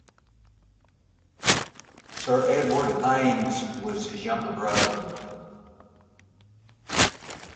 Sir Edward Baines was his younger brother.